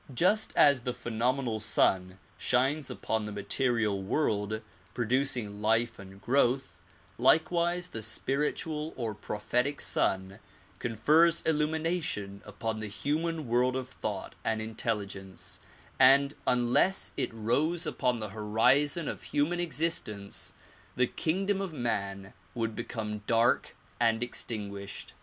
Just as the phenomenal sun shines upon the material world producing life and growth, likewise the spiritual or prophetic Sun confers illumination upon the human world of thought and intelligence, and unless it rose upon the horizon of human existence the kingdom of man would become dark and extinguished.